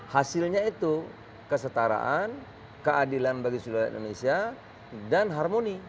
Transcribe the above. hasilnya itu kesetaraan keadilan bagi seluruh indonesia dan harmoni